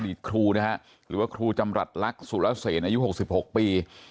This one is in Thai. อดีตครูนะฮะหรือว่าครูจำรัฐลักษณ์สุรเสนอายุหกสิบหกปี